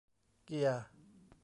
เกียร์